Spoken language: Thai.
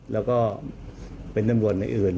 แล้วก็เป็นตำรวจในอื่น